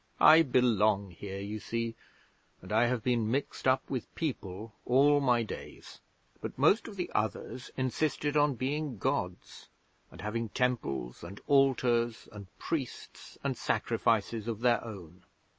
I belong here, you see, and I have been mixed up with people all my days. But most of the others insisted on being Gods, and having temples, and altars, and priests, and sacrifices of their own.'